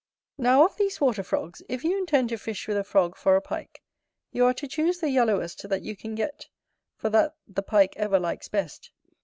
Now of these water frogs, if you intend to fish with a frog for a Pike, you are to choose the yellowest that you can get, for that the Pike ever likes best.